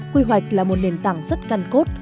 quy hoạch là một nền tảng rất căn cốt